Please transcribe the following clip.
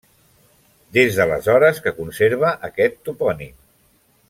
Des d'aleshores que conserva aquest topònim.